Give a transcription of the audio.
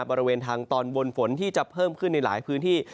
บริเวณทางตอนบนฝนที่จะเพิ่มขึ้นในหลายพื้นที่